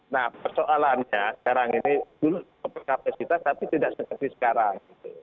nah persoalannya sekarang ini dulu overkapasitas tapi tidak seperti sekarang